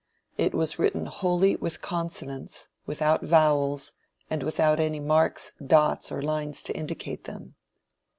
It was written wholly with consonants, without vowels, and without any marks, dots, or lines to indicate them.